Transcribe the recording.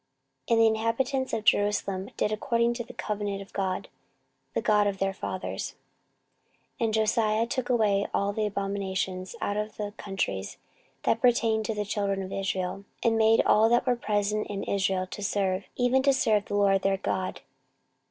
And the inhabitants of Jerusalem did according to the covenant of God, the God of their fathers. 14:034:033 And Josiah took away all the abominations out of all the countries that pertained to the children of Israel, and made all that were present in Israel to serve, even to serve the LORD their God.